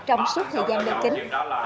trong suốt thời gian đưa kính